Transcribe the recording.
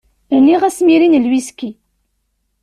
Rniɣ asmiri n lwiski.